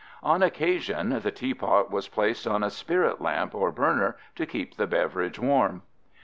On occasion the teapot was placed on a spirit lamp or burner to keep the beverage warm.